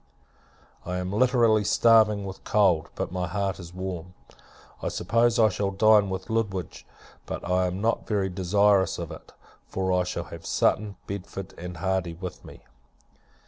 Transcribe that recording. I am literally starving with cold; but my heart is warm. I suppose I shall dine with Lutwidge: but I am not very desirous of it; for I shall have Sutton, Bedford, and Hardy, with me.